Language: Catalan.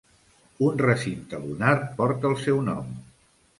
Un recinte lunar porta el seu nom.